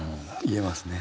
言えますね。